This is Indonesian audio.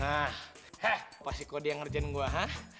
hah apa sih kodi yang ngerjain gue hah